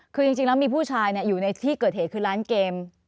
คือจริงแล้วมีผู้ชายอยู่ในที่เกิดเหตุคือร้านเกม